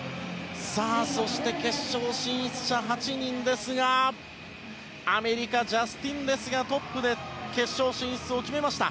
そして、決勝進出者８人ですがアメリカ、ジャスティン・レスがトップで決勝進出を決めました。